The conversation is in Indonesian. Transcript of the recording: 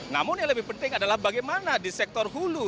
namun yang lebih penting adalah bagaimana di sektor hulu